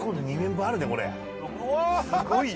すごいよ。